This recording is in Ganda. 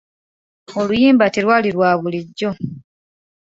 Oluyimba telwali lwa bulijjo.